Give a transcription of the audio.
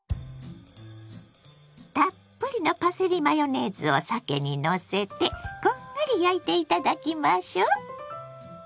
たっぷりのパセリマヨネーズをさけにのせてこんがり焼いていただきましょ。